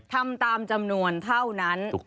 ทำตามจำนวนเท่านั้น